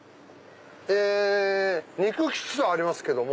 え肉基地とありますけども。